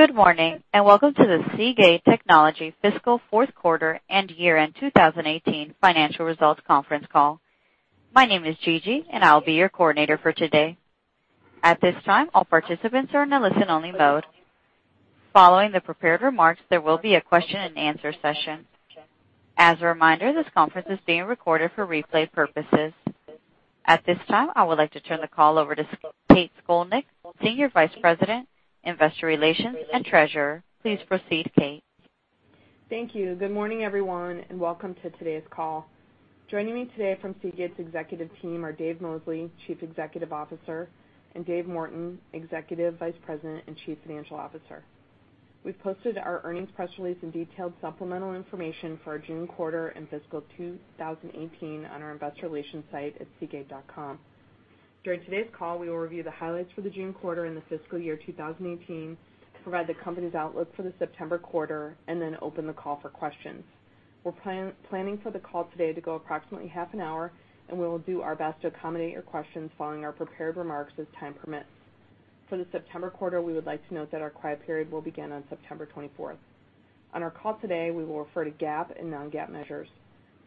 Good morning, welcome to the Seagate Technology fiscal fourth quarter and year-end 2018 financial results conference call. My name is Gigi, and I will be your coordinator for today. At this time, all participants are in a listen-only mode. Following the prepared remarks, there will be a question and answer session. As a reminder, this conference is being recorded for replay purposes. At this time, I would like to turn the call over to Kathryn Scolnick, Senior Vice President, Investor Relations, and Treasurer. Please proceed, Kate. Thank you. Good morning, everyone, welcome to today's call. Joining me today from Seagate's executive team are Dave Mosley, Chief Executive Officer, and David Morton, Executive Vice President and Chief Financial Officer. We've posted our earnings press release and detailed supplemental information for our June quarter and fiscal 2018 on our investor relations site at seagate.com. During today's call, we will review the highlights for the June quarter and the fiscal year 2018 to provide the company's outlook for the September quarter open the call for questions. We're planning for the call today to go approximately half an hour, and we will do our best to accommodate your questions following our prepared remarks as time permits. For the September quarter, we would like to note that our quiet period will begin on September 24th. On our call today, we will refer to GAAP and non-GAAP measures.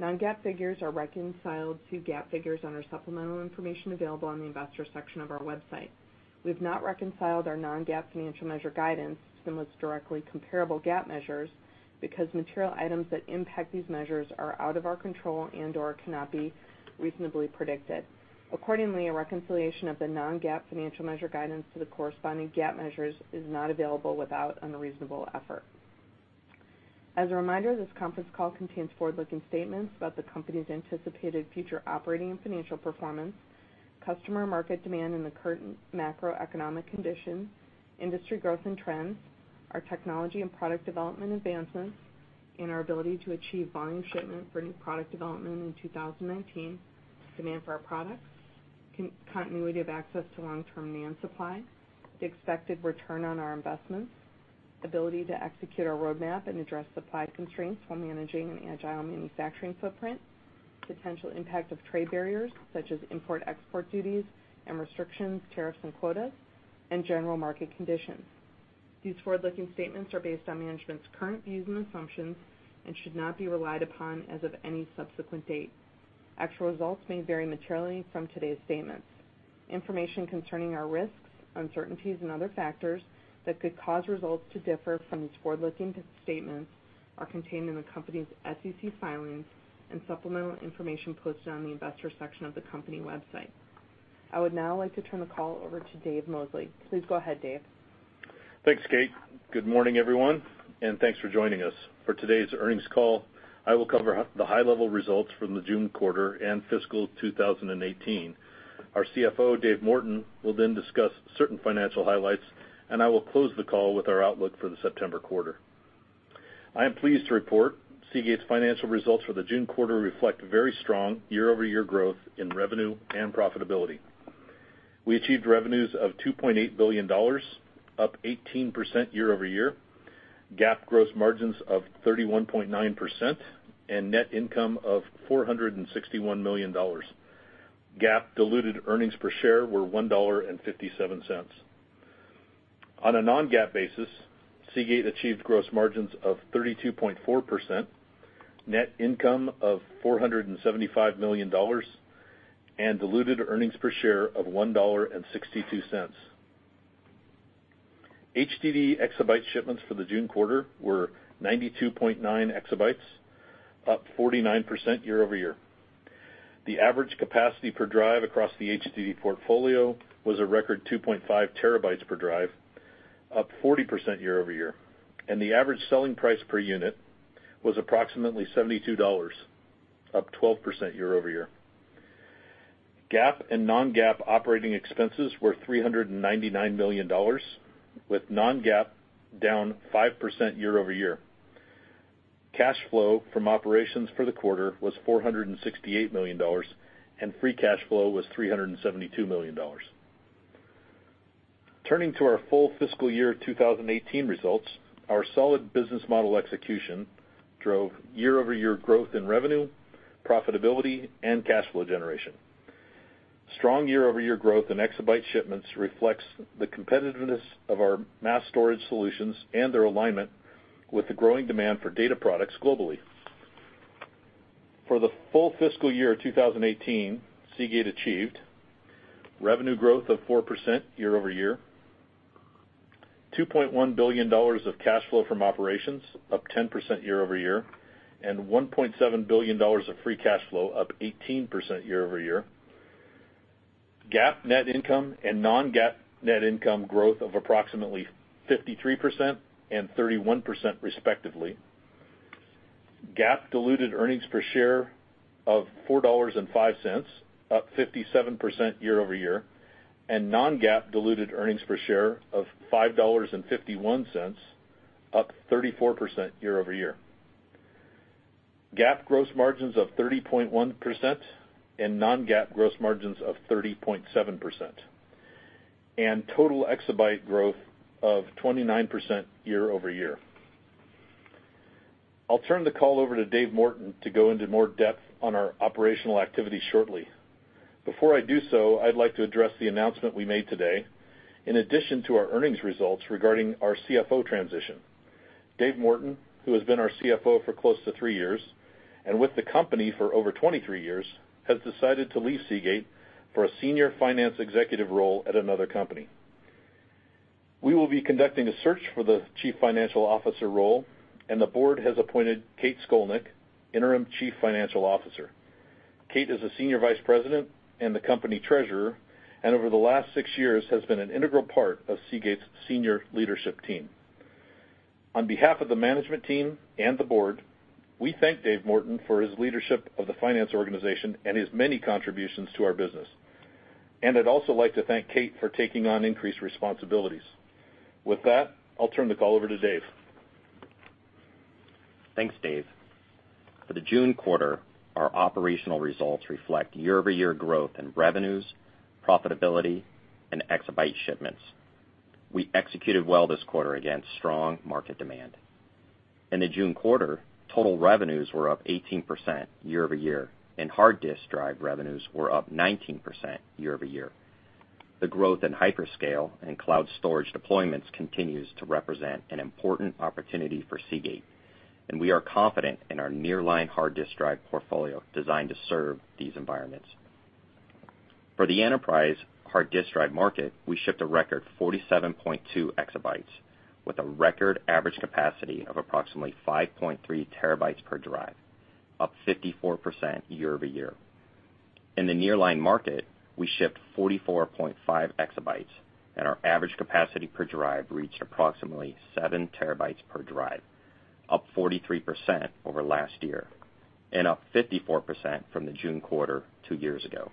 Non-GAAP figures are reconciled to GAAP figures on our supplemental information available on the investor section of our website. We have not reconciled our non-GAAP financial measure guidance to the most directly comparable GAAP measures because material items that impact these measures are out of our control and/or cannot be reasonably predicted. Accordingly, a reconciliation of the non-GAAP financial measure guidance to the corresponding GAAP measures is not available without unreasonable effort. As a reminder, this conference call contains forward-looking statements about the company's anticipated future operating and financial performance, customer market demand in the current macroeconomic conditions, industry growth and trends, our technology and product development advancements, and our ability to achieve volume shipment for new product development in 2019, demand for our products, continuity of access to long-term NAND supply, the expected return on our investments, ability to execute our roadmap and address supply constraints while managing an agile manufacturing footprint, potential impact of trade barriers such as import-export duties and restrictions, tariffs and quotas, and general market conditions. These forward-looking statements are based on management's current views and assumptions and should not be relied upon as of any subsequent date. Actual results may vary materially from today's statements. Information concerning our risks, uncertainties, and other factors that could cause results to differ from these forward-looking statements are contained in the company's SEC filings and supplemental information posted on the investor section of the company website. I would now like to turn the call over to Dave Mosley. Please go ahead, Dave. Thanks, Kate. Good morning, everyone, thanks for joining us. For today's earnings call, I will cover the high-level results from the June quarter and fiscal 2018. Our CFO, David Morton, will then discuss certain financial highlights, I will close the call with our outlook for the September quarter. I am pleased to report Seagate's financial results for the June quarter reflect very strong year-over-year growth in revenue and profitability. We achieved revenues of $2.8 billion, up 18% year-over-year, GAAP gross margins of 31.9%, and net income of $461 million. GAAP diluted earnings per share were $1.57. On a non-GAAP basis, Seagate achieved gross margins of 32.4%, net income of $475 million, and diluted earnings per share of $1.62. HDD exabyte shipments for the June quarter were 92.9 exabytes, up 49% year-over-year. The average capacity per drive across the HDD portfolio was a record 2.5 terabytes per drive, up 40% year-over-year, the average selling price per unit was approximately $72, up 12% year-over-year. GAAP and non-GAAP operating expenses were $399 million, with non-GAAP down 5% year-over-year. Cash flow from operations for the quarter was $468 million, free cash flow was $372 million. Turning to our full fiscal year 2018 results, our solid business model execution drove year-over-year growth in revenue, profitability, and cash flow generation. Strong year-over-year growth in exabyte shipments reflects the competitiveness of our mass storage solutions and their alignment with the growing demand for data products globally. For the full fiscal year 2018, Seagate achieved revenue growth of 4% year-over-year, $2.1 billion of cash flow from operations, up 10% year-over-year, $1.7 billion of free cash flow, up 18% year-over-year, GAAP net income and non-GAAP net income growth of approximately 53% and 31%, respectively, GAAP diluted earnings per share of $4.05, up 57% year-over-year, non-GAAP diluted earnings per share of $5.51, up 34% year-over-year, GAAP gross margins of 30.1% and non-GAAP gross margins of 30.7%, total exabyte growth of 29% year-over-year. I'll turn the call over to David Morton to go into more depth on our operational activity shortly. Before I do so, I'd like to address the announcement we made today, in addition to our earnings results regarding our CFO transition. David Morton, who has been our CFO for close to three years, and with the company for over 23 years, has decided to leave Seagate for a senior finance executive role at another company. We will be conducting a search for the Chief Financial Officer role, and the board has appointed Kathryn Scolnick, interim Chief Financial Officer. Kate is a Senior Vice President and the company Treasurer, and over the last six years has been an integral part of Seagate's senior leadership team. On behalf of the management team and the board, we thank David Morton for his leadership of the finance organization and his many contributions to our business. I'd also like to thank Kate for taking on increased responsibilities. With that, I'll turn the call over to Dave. Thanks, Dave. For the June quarter, our operational results reflect year-over-year growth in revenues, profitability and exabyte shipments. We executed well this quarter against strong market demand. In the June quarter, total revenues were up 18% year-over-year, and hard disk drive revenues were up 19% year-over-year. The growth in hyperscale and cloud storage deployments continues to represent an important opportunity for Seagate, and we are confident in our Nearline hard disk drive portfolio designed to serve these environments. For the enterprise hard disk drive market, we shipped a record 47.2 exabytes, with a record average capacity of approximately 5.3 terabytes per drive, up 54% year-over-year. In the Nearline market, we shipped 44.5 exabytes, and our average capacity per drive reached approximately seven terabytes per drive, up 43% over last year, and up 54% from the June quarter two years ago.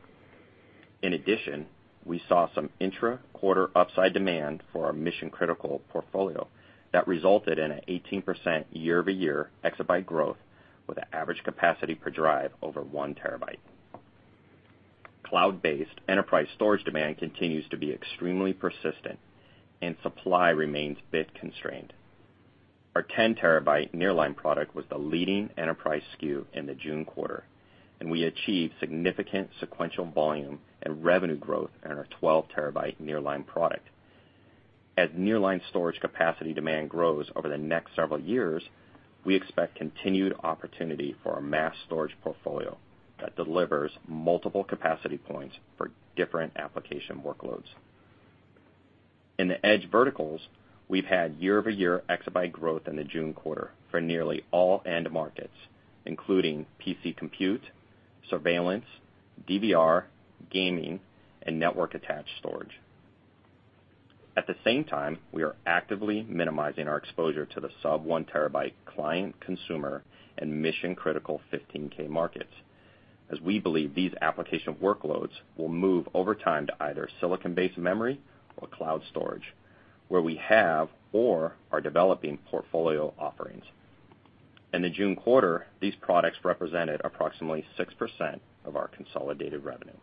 In addition, we saw some intra-quarter upside demand for our mission-critical portfolio that resulted in an 18% year-over-year exabyte growth with an average capacity per drive over one terabyte. Cloud-based enterprise storage demand continues to be extremely persistent and supply remains bit constrained. Our 10 terabyte Nearline product was the leading enterprise SKU in the June quarter, and we achieved significant sequential volume and revenue growth on our 12 terabyte Nearline product. As Nearline storage capacity demand grows over the next several years, we expect continued opportunity for our mass storage portfolio that delivers multiple capacity points for different application workloads. In the edge verticals, we've had year-over-year exabyte growth in the June quarter for nearly all end markets, including PC compute, surveillance, DVR, gaming, and network attached storage. At the same time, we are actively minimizing our exposure to the sub-one terabyte client consumer and mission-critical 15K markets, as we believe these application workloads will move over time to either silicon-based memory or cloud storage, where we have or are developing portfolio offerings. In the June quarter, these products represented approximately 6% of our consolidated revenue.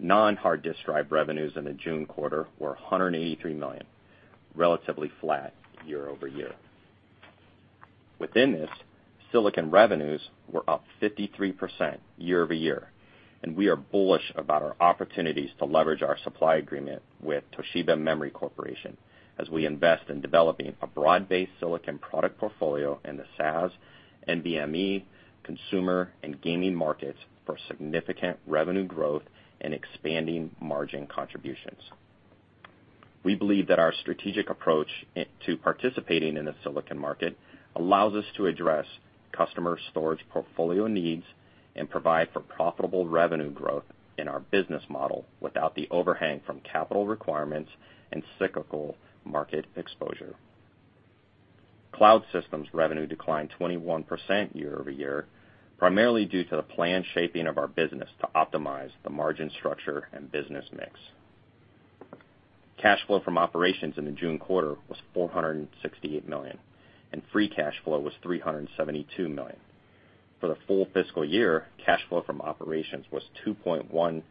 Non-hard disk drive revenues in the June quarter were $183 million, relatively flat year-over-year. Within this, silicon revenues were up 53% year-over-year, and we are bullish about our opportunities to leverage our supply agreement with Toshiba Memory Corporation, as we invest in developing a broad-based silicon product portfolio in the SAS, NVMe, consumer, and gaming markets for significant revenue growth and expanding margin contributions. We believe that our strategic approach to participating in the silicon market allows us to address customer storage portfolio needs and provide for profitable revenue growth in our business model without the overhang from capital requirements and cyclical market exposure. Cloud systems revenue declined 21% year-over-year, primarily due to the planned shaping of our business to optimize the margin structure and business mix. Cash flow from operations in the June quarter was $468 million, and free cash flow was $372 million. For the full fiscal year, cash flow from operations was $2.1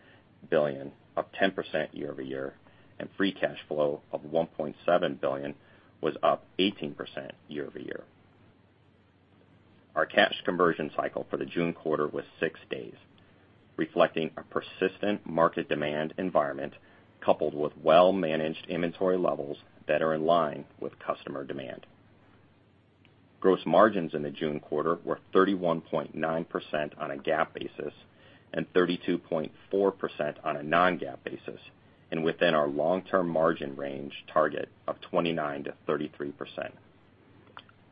billion, up 10% year-over-year, and free cash flow of $1.7 billion was up 18% year-over-year. Our cash conversion cycle for the June quarter was six days, reflecting a persistent market demand environment coupled with well-managed inventory levels that are in line with customer demand. Gross margins in the June quarter were 31.9% on a GAAP basis and 32.4% on a non-GAAP basis, and within our long-term margin range target of 29%-33%.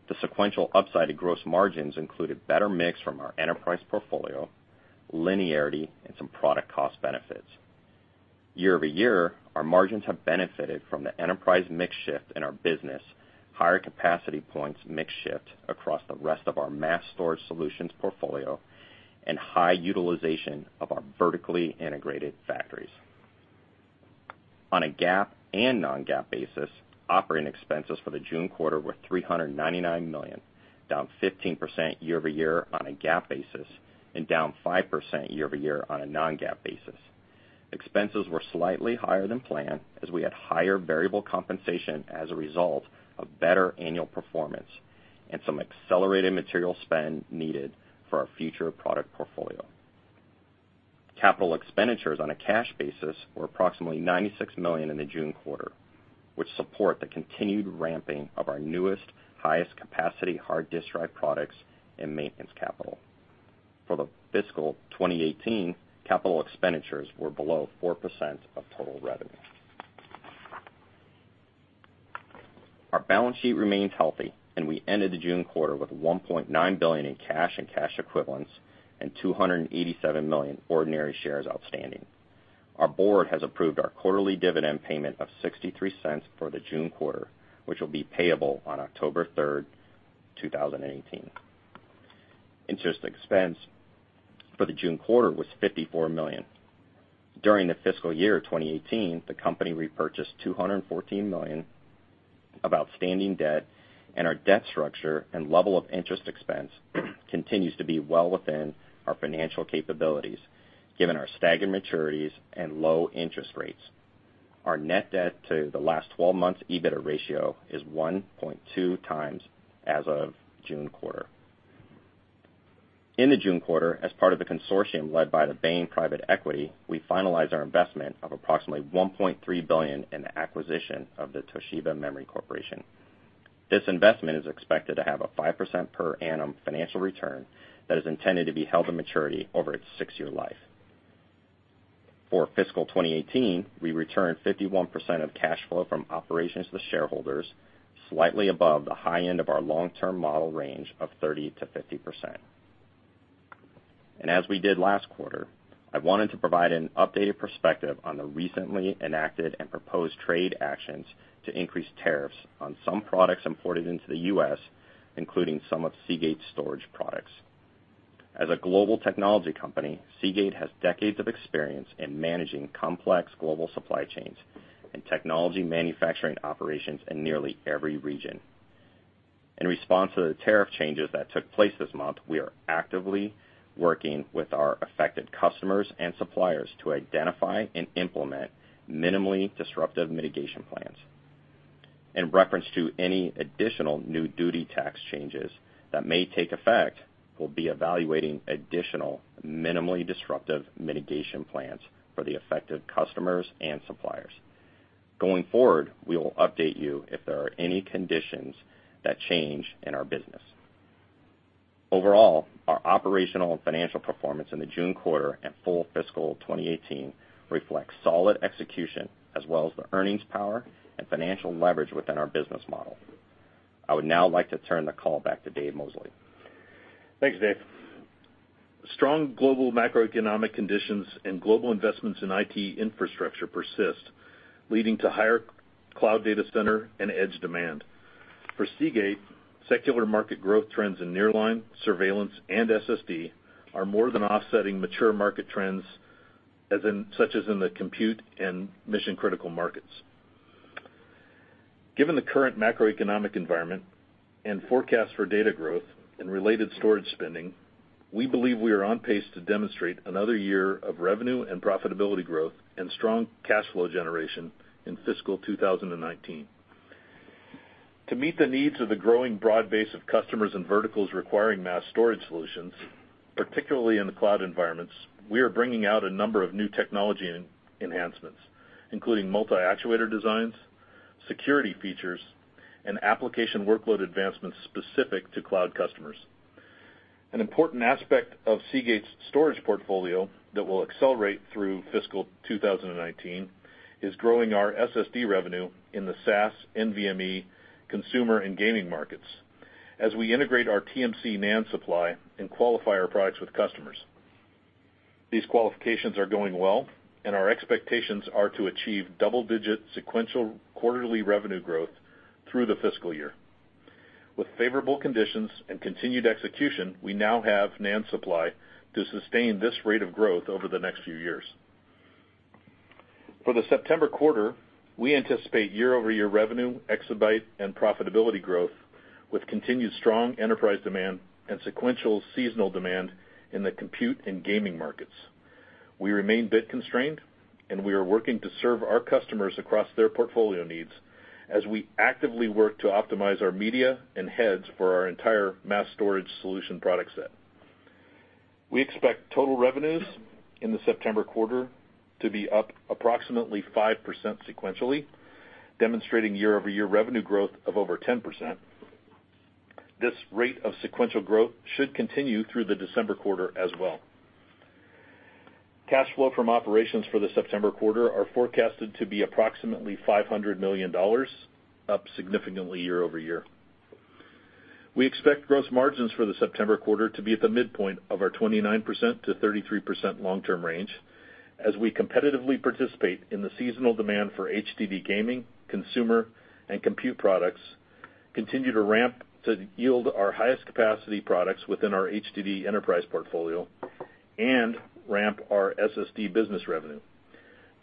The sequential upside to gross margins included better mix from our enterprise portfolio, linearity, and some product cost benefits. Year-over-year, our margins have benefited from the enterprise mix shift in our business, higher capacity points mix shift across the rest of our mass storage solutions portfolio, and high utilization of our vertically integrated factories. On a GAAP and non-GAAP basis, operating expenses for the June quarter were $399 million, down 15% year-over-year on a GAAP basis, and down 5% year-over-year on a non-GAAP basis. Expenses were slightly higher than planned as we had higher variable compensation as a result of better annual performance and some accelerated material spend needed for our future product portfolio. Capital expenditures on a cash basis were approximately $96 million in the June quarter, which support the continued ramping of our newest, highest capacity hard disk drive products and maintenance capital. For the fiscal 2018, capital expenditures were below 4% of total revenue. Our balance sheet remains healthy, and we ended the June quarter with $1.9 billion in cash and cash equivalents and 287 million ordinary shares outstanding. Our board has approved our quarterly dividend payment of $0.63 for the June quarter, which will be payable on October 3, 2018. Interest expense for the June quarter was $54 million. During the fiscal year 2018, the company repurchased $214 million of outstanding debt, and our debt structure and level of interest expense continues to be well within our financial capabilities given our staggered maturities and low interest rates. Our net debt to the last 12 months EBITDA ratio is 1.2 times as of June quarter. In the June quarter, as part of the consortium led by the Bain Private Equity, we finalized our investment of approximately $1.3 billion in the acquisition of the Toshiba Memory Corporation. This investment is expected to have a 5% per annum financial return that is intended to be held to maturity over its six-year life. For fiscal 2018, we returned 51% of cash flow from operations to shareholders, slightly above the high end of our long-term model range of 30%-50%. As we did last quarter, I wanted to provide an updated perspective on the recently enacted and proposed trade actions to increase tariffs on some products imported into the U.S., including some of Seagate's storage products. As a global technology company, Seagate has decades of experience in managing complex global supply chains and technology manufacturing operations in nearly every region. In response to the tariff changes that took place this month, we are actively working with our affected customers and suppliers to identify and implement minimally disruptive mitigation plans. In reference to any additional new duty tax changes that may take effect, we will be evaluating additional minimally disruptive mitigation plans for the affected customers and suppliers. Going forward, we will update you if there are any conditions that change in our business. Overall, our operational and financial performance in the June quarter and full fiscal 2018 reflects solid execution as well as the earnings power and financial leverage within our business model. I would now like to turn the call back to Dave Mosley. Thanks, Dave. Strong global macroeconomic conditions and global investments in IT infrastructure persist, leading to higher cloud data center and edge demand. For Seagate, secular market growth trends in Nearline, surveillance, and SSD are more than offsetting mature market trends, such as in the compute and mission-critical markets. Given the current macroeconomic environment and forecast for data growth and related storage spending, we believe we are on pace to demonstrate another year of revenue and profitability growth and strong cash flow generation in fiscal 2019. To meet the needs of the growing broad base of customers and verticals requiring mass storage solutions, particularly in the cloud environments, we are bringing out a number of new technology enhancements, including multi-actuator designs, security features, and application workload advancements specific to cloud customers. An important aspect of Seagate's storage portfolio that will accelerate through fiscal 2019 is growing our SSD revenue in the SAS, NVMe, consumer, and gaming markets as we integrate our TMC NAND supply and qualify our products with customers. These qualifications are going well, and our expectations are to achieve double-digit sequential quarterly revenue growth through the fiscal year. With favorable conditions and continued execution, we now have NAND supply to sustain this rate of growth over the next few years. For the September quarter, we anticipate year-over-year revenue, exabyte, and profitability growth with continued strong enterprise demand and sequential seasonal demand in the compute and gaming markets. We remain bit constrained, and we are working to serve our customers across their portfolio needs as we actively work to optimize our media and heads for our entire mass storage solution product set. We expect total revenues in the September quarter to be up approximately 5% sequentially, demonstrating year-over-year revenue growth of over 10%. This rate of sequential growth should continue through the December quarter as well. Cash flow from operations for the September quarter are forecasted to be approximately $500 million, up significantly year-over-year. We expect gross margins for the September quarter to be at the midpoint of our 29%-33% long-term range as we competitively participate in the seasonal demand for HDD gaming, consumer, and compute products, continue to ramp to yield our highest capacity products within our HDD enterprise portfolio, and ramp our SSD business revenue.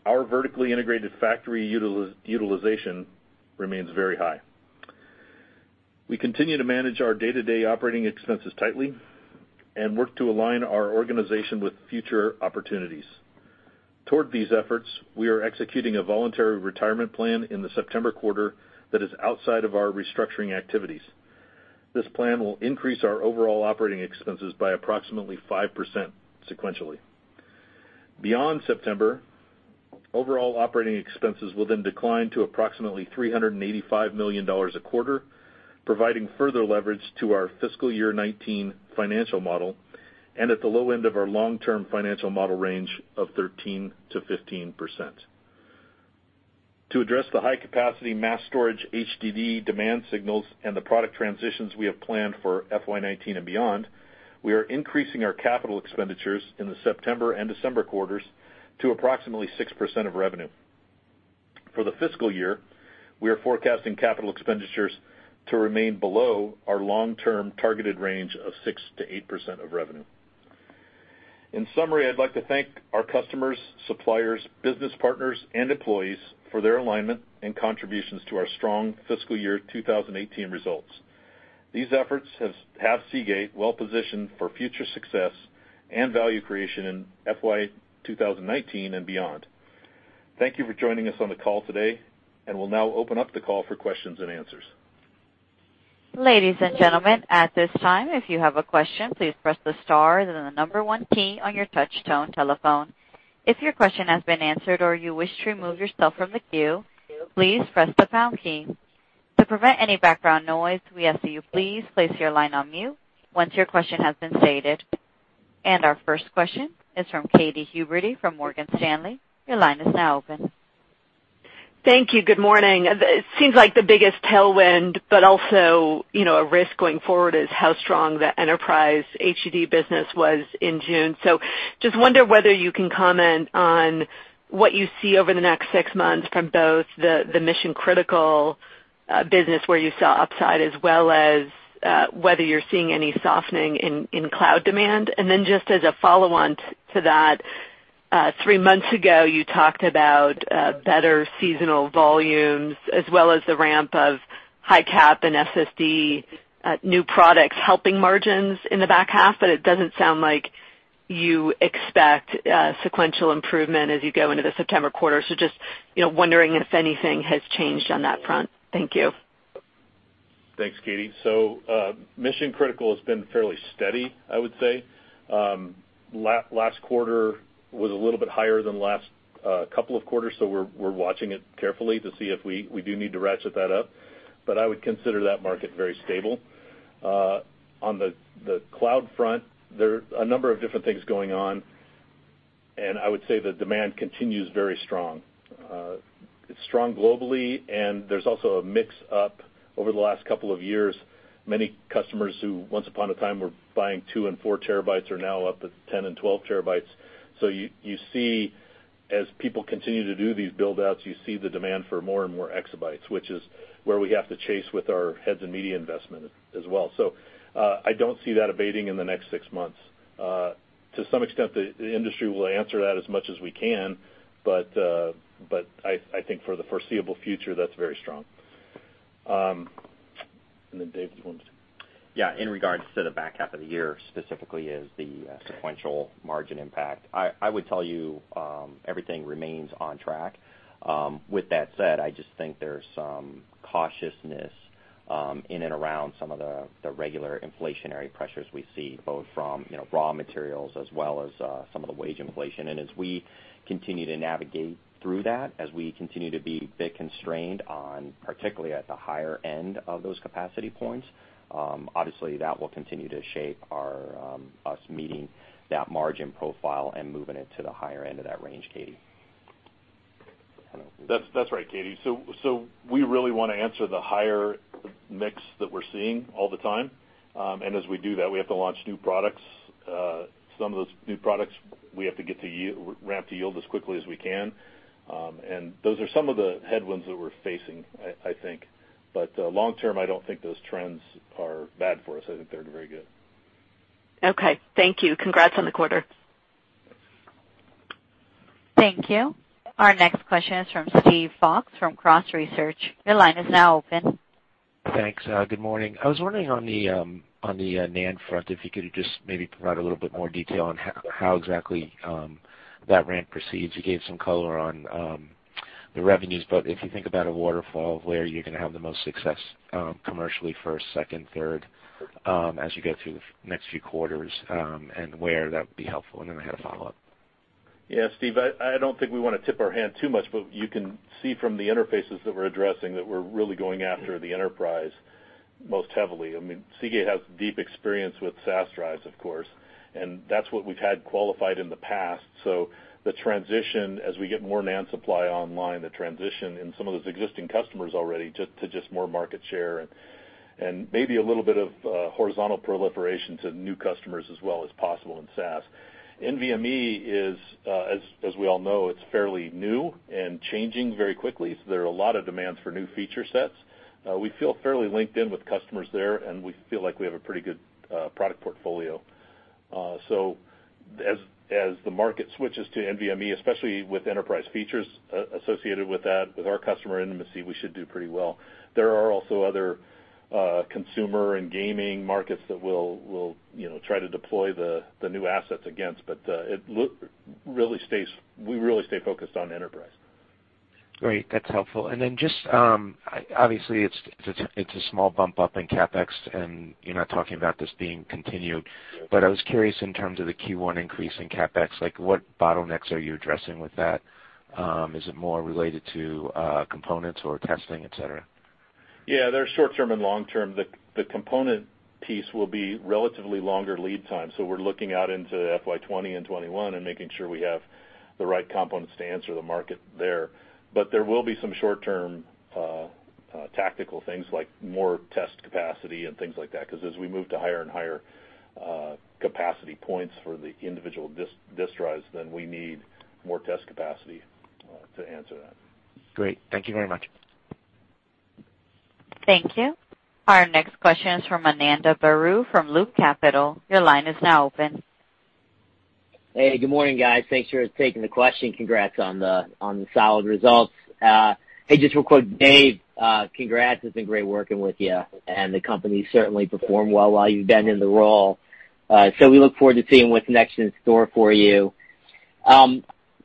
Our vertically integrated factory utilization remains very high. We continue to manage our day-to-day operating expenses tightly and work to align our organization with future opportunities. Toward these efforts, we are executing a voluntary retirement plan in the September quarter that is outside of our restructuring activities. This plan will increase our overall operating expenses by approximately 5% sequentially. Beyond September, overall operating expenses will then decline to approximately $385 million a quarter, providing further leverage to our fiscal year '19 financial model, and at the low end of our long-term financial model range of 13%-15%. To address the high-capacity mass storage HDD demand signals and the product transitions we have planned for FY '19 and beyond, we are increasing our capital expenditures in the September and December quarters to approximately 6% of revenue. For the fiscal year, we are forecasting capital expenditures to remain below our long-term targeted range of 6%-8% of revenue. In summary, I'd like to thank our customers, suppliers, business partners, and employees for their alignment and contributions to our strong fiscal year 2018 results. These efforts have Seagate well-positioned for future success and value creation in FY 2019 and beyond. Thank you for joining us on the call today. We'll now open up the call for questions and answers. Ladies and gentlemen, at this time, if you have a question, please press the star and the number 1 key on your touch tone telephone. If your question has been answered or you wish to remove yourself from the queue, please press the pound key. To prevent any background noise, we ask that you please place your line on mute once your question has been stated. Our first question is from Katy Huberty from Morgan Stanley. Your line is now open. Thank you. Good morning. It seems like the biggest tailwind, but also a risk going forward is how strong the enterprise HDD business was in June. Just wonder whether you can comment on what you see over the next six months from both the mission-critical business where you saw upside, as well as whether you're seeing any softening in cloud demand. Just as a follow-on to that, three months ago, you talked about better seasonal volumes as well as the ramp of high cap and SSD new products helping margins in the back half. It doesn't sound like you expect sequential improvement as you go into the September quarter. Just wondering if anything has changed on that front. Thank you. Thanks, Katy. Mission critical has been fairly steady, I would say. Last quarter was a little bit higher than last couple of quarters, we're watching it carefully to see if we do need to ratchet that up. I would consider that market very stable. On the cloud front, there are a number of different things going on, I would say the demand continues very strong. It's strong globally, there's also a mix-up over the last couple of years. Many customers who once upon a time were buying two and four terabytes are now up at 10 and 12 terabytes. You see, as people continue to do these build-outs, you see the demand for more and more exabytes, which is where we have to chase with our heads and media investment as well. I don't see that abating in the next six months. To some extent, the industry will answer that as much as we can, I think for the foreseeable future, that's very strong. Dave, you want to- Yeah. In regards to the back half of the year, specifically as the sequential margin impact, I would tell you everything remains on track. With that said, I just think there's some cautiousness in and around some of the regular inflationary pressures we see, both from raw materials as well as some of the wage inflation. As we continue to navigate through that, as we continue to be a bit constrained on particularly at the higher end of those capacity points, obviously that will continue to shape us meeting that margin profile and moving it to the higher end of that range, Katy. That's right, Katy. We really want to answer the higher mix that we're seeing all the time. As we do that, we have to launch new products. Some of those new products we have to ramp to yield as quickly as we can. Those are some of the headwinds that we're facing, I think. Long term, I don't think those trends are bad for us. I think they're very good. Okay. Thank you. Congrats on the quarter. Thank you. Our next question is from Steven Fox from Cross Research. Your line is now open. Thanks. Good morning. I was wondering on the NAND front, if you could just maybe provide a little bit more detail on how exactly that ramp proceeds. You gave some color on the revenues, but if you think about a waterfall of where you're going to have the most success commercially first, second, third as you go through the next few quarters, and where that would be helpful. Then I had a follow-up. Yeah, Steve, I don't think we want to tip our hand too much, but you can see from the interfaces that we're addressing that we're really going after the enterprise most heavily. Seagate has deep experience with SAS drives, of course, and that's what we've had qualified in the past. The transition as we get more NAND supply online, the transition in some of those existing customers already to just more market share and maybe a little bit of horizontal proliferation to new customers as well is possible in SAS. NVMe, as we all know, it's fairly new and changing very quickly, so there are a lot of demands for new feature sets. We feel fairly linked in with customers there. We feel like we have a pretty good product portfolio. As the market switches to NVMe, especially with enterprise features associated with that, with our customer intimacy, we should do pretty well. There are also other consumer and gaming markets that we'll try to deploy the new assets against. We really stay focused on enterprise. Great. That's helpful. Then just, obviously, it's a small bump up in CapEx, and you're not talking about this being continued. I was curious in terms of the Q1 increase in CapEx, what bottlenecks are you addressing with that? Is it more related to components or testing, et cetera? Yeah, there are short-term and long-term. The component piece will be relatively longer lead time. We're looking out into FY 2020 and FY 2021 and making sure we have the right components to answer the market there. There will be some short-term tactical things like more test capacity and things like that, because as we move to higher and higher capacity points for the individual disk drives, then we need more test capacity to answer that. Great. Thank you very much. Thank you. Our next question is from Ananda Baruah from Loop Capital. Your line is now open. Hey, good morning, guys. Thanks for taking the question. Congrats on the solid results. Hey, just real quick, Dave, congrats. It's been great working with you, and the company's certainly performed well while you've been in the role. We look forward to seeing what's next in store for you.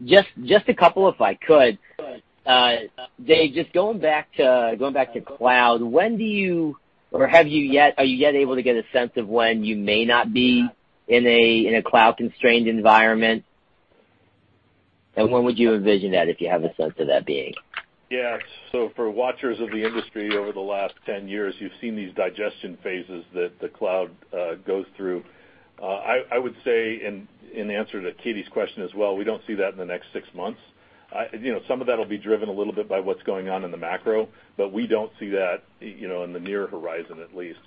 Just a couple, if I could. Dave, just going back to cloud, are you yet able to get a sense of when you may not be in a cloud-constrained environment? When would you envision that, if you have a sense of that being? Yeah. For watchers of the industry over the last 10 years, you've seen these digestion phases that the cloud goes through. I would say, in answer to Katy's question as well, we don't see that in the next six months. Some of that will be driven a little bit by what's going on in the macro, we don't see that in the near horizon, at least.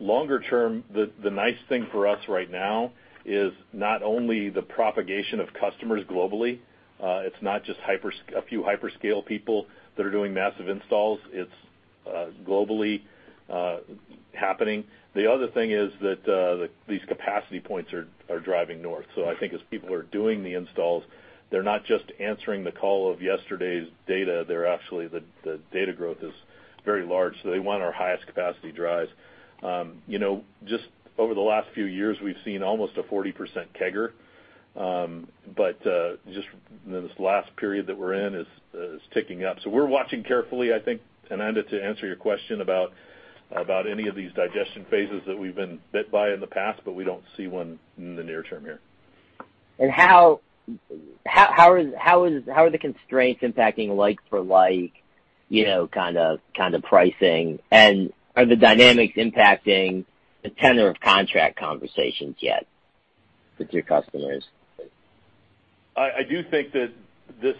Longer term, the nice thing for us right now is not only the propagation of customers globally. It's not just a few hyperscale people that are doing massive installs. It's globally happening. The other thing is that these capacity points are driving north. I think as people are doing the installs, they're not just answering the call of yesterday's data. They're actually, the data growth is very large, so they want our highest capacity drives. Just over the last few years, we've seen almost a 40% CAGR, just this last period that we're in is ticking up. We're watching carefully, I think, Ananda, to answer your question about any of these digestion phases that we've been bit by in the past, we don't see one in the near term here. How are the constraints impacting like for like kind of pricing? Are the dynamics impacting the tenor of contract conversations yet with your customers? I do think that this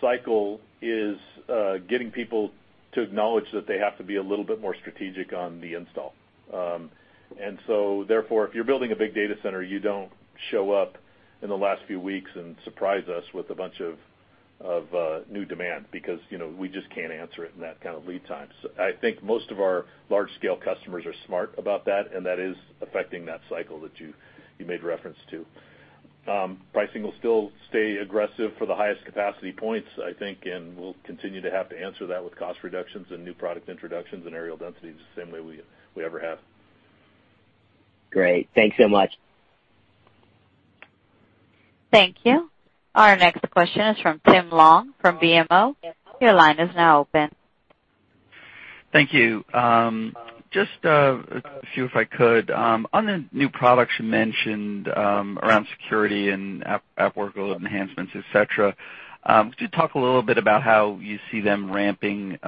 cycle is getting people to acknowledge that they have to be a little bit more strategic on the install. Therefore, if you're building a big data center, you don't show up in the last few weeks and surprise us with a bunch of new demand because we just can't answer it in that kind of lead time. I think most of our large-scale customers are smart about that, and that is affecting that cycle that you made reference to. Pricing will still stay aggressive for the highest capacity points, I think, and we'll continue to have to answer that with cost reductions and new product introductions and areal density the same way we ever have. Great. Thanks so much. Thank you. Our next question is from Tim Long from BMO. Your line is now open. Thank you. Just a few if I could. On the new products you mentioned around security and app workload enhancements, et cetera, could you talk a little bit about how you see them ramping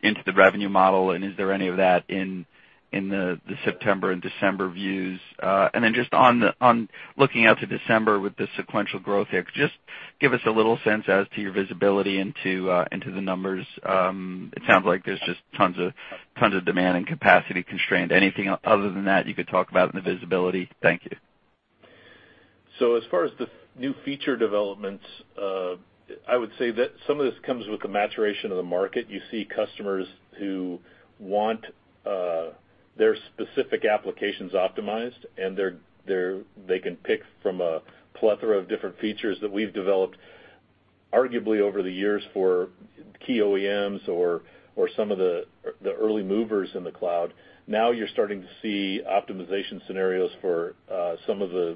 into the revenue model, and is there any of that in the September and December views? Just on looking out to December with the sequential growth here, just give us a little sense as to your visibility into the numbers. It sounds like there's just tons of demand and capacity constraint. Anything other than that you could talk about in the visibility? Thank you. As far as the new feature developments, I would say that some of this comes with the maturation of the market. You see customers who want their specific applications optimized, and they can pick from a plethora of different features that we've developed arguably over the years for key OEMs or some of the early movers in the cloud. Now you're starting to see optimization scenarios for some of the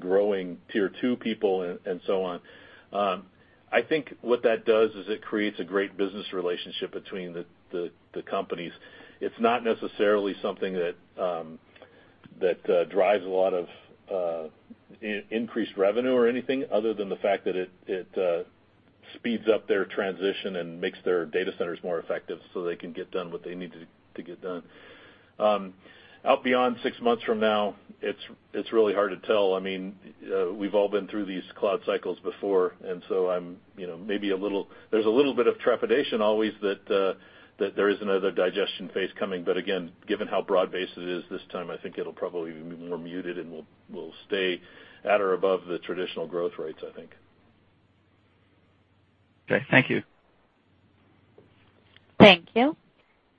growing tier 2 people and so on. I think what that does is it creates a great business relationship between the companies. It's not necessarily something that drives a lot of increased revenue or anything other than the fact that it speeds up their transition and makes their data centers more effective so they can get done what they need to get done. Out beyond six months from now, it's really hard to tell. We've all been through these cloud cycles before, there's a little bit of trepidation always that there is another digestion phase coming. Again, given how broad-based it is this time, I think it'll probably be more muted and will stay at or above the traditional growth rates, I think. Okay, thank you. Thank you.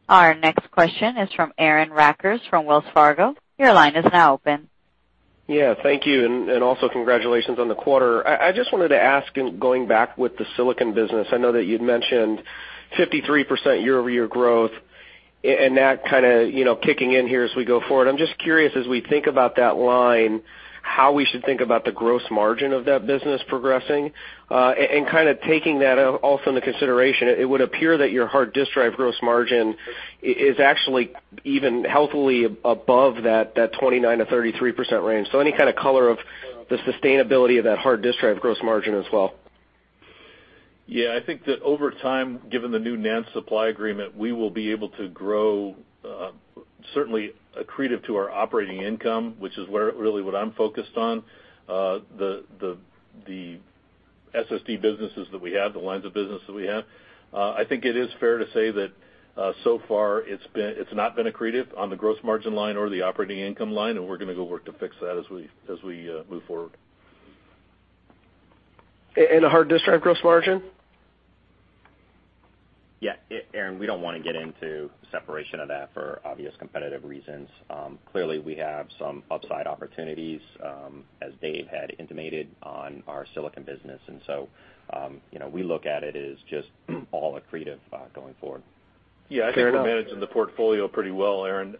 Our next question is from Aaron Rakers from Wells Fargo. Your line is now open. Yeah, thank you, and also congratulations on the quarter. I just wanted to ask, going back with the silicon business, I know that you'd mentioned 53% year-over-year growth and that kind of kicking in here as we go forward. I'm just curious, as we think about that line, how we should think about the gross margin of that business progressing. Kind of taking that also into consideration, it would appear that your hard disk drive gross margin is actually even healthily above that 29%-33% range. Any kind of color of the sustainability of that hard disk drive gross margin as well? Yeah, I think that over time, given the new NAND supply agreement, we will be able to grow certainly accretive to our operating income, which is really what I'm focused on, the SSD businesses that we have, the lines of business that we have. I think it is fair to say that so far it's not been accretive on the gross margin line or the operating income line, we're going to go work to fix that as we move forward. The hard disk drive gross margin? Yeah. Aaron, we don't want to get into separation of that for obvious competitive reasons. Clearly, we have some upside opportunities, as Dave had intimated on our silicon business, we look at it as just all accretive going forward. Fair enough. Yeah, I think we're managing the portfolio pretty well, Aaron,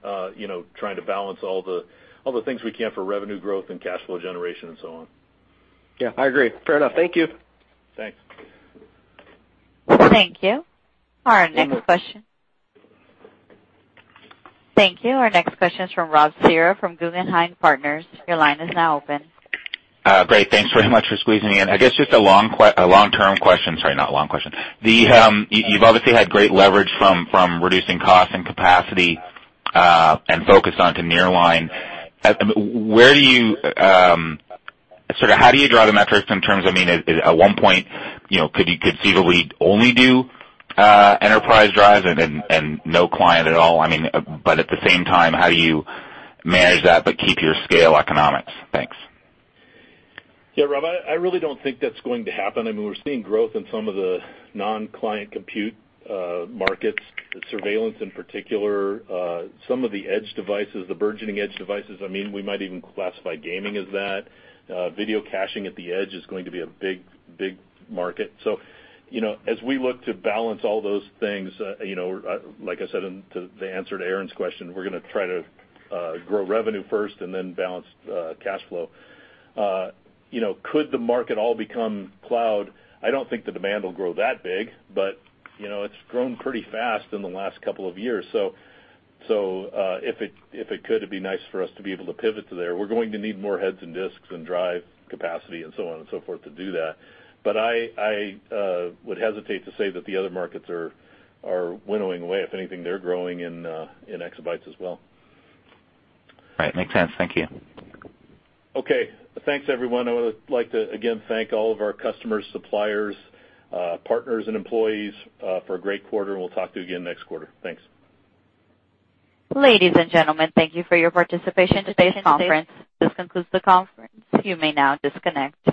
trying to balance all the things we can for revenue growth and cash flow generation and so on. Yeah, I agree. Fair enough. Thank you. Thanks. Thank you. Our next question is from Robert Cihra from Guggenheim Partners. Your line is now open. Great. Thanks very much for squeezing me in. I guess just a long-term question. Sorry, not a long question. You've obviously had great leverage from reducing cost and capacity, and focused onto Nearline. How do you draw the metrics in terms of, I mean, at one point could you conceivably only do enterprise drives and no client at all? At the same time, how do you manage that, but keep your scale economics? Thanks. Yeah, Rob, I really don't think that's going to happen. I mean, we're seeing growth in some of the non-client compute markets, surveillance in particular, some of the edge devices, the burgeoning edge devices. We might even classify gaming as that. Video caching at the edge is going to be a big market. As we look to balance all those things, like I said in the answer to Aaron's question, we're going to try to grow revenue first and then balance cash flow. Could the market all become cloud? I don't think the demand will grow that big, it's grown pretty fast in the last couple of years, so if it could, it'd be nice for us to be able to pivot to there. We're going to need more heads and disks and drive capacity and so on and so forth to do that. I would hesitate to say that the other markets are winnowing away. If anything, they're growing in exabytes as well. Right. Makes sense. Thank you. Okay, thanks everyone. I would like to, again, thank all of our customers, suppliers, partners and employees for a great quarter, and we'll talk to you again next quarter. Thanks. Ladies and gentlemen, thank you for your participation in today's conference. This concludes the conference. You may now disconnect.